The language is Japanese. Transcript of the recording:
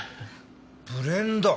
ブレンド！